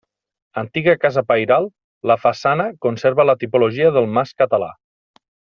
Antiga casa pairal, la façana conserva la tipologia del mas català.